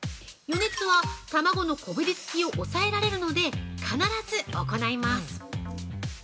予熱は卵のこびりつきを抑えられるので、必ず行います。